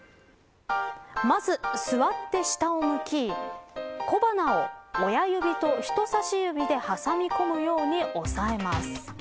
まず座って下を向き小鼻を親指と人さし指で挟み込むように押さえます。